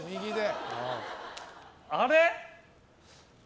あれ？